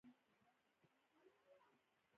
تنور د تنګې سیمې د خوړو فابریکه ده